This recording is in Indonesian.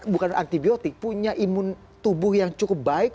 bukan antibiotik punya imun tubuh yang cukup baik